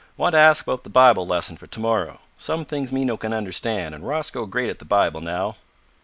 "Want to ask 'bout the Bibil lesson for to morrow. Some things me no can understan', an' Rosco great at the Bibil now."